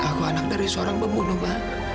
aku anak dari seorang pembunuh mbak